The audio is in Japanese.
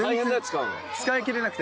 使いきれなくて。